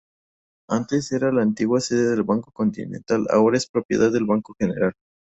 Antes era la antigua sede del Banco Continental, ahora es propiedad del Banco General.